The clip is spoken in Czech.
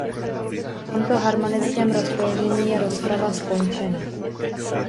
A v tomto harmonickém rozpoložení je rozprava skončena.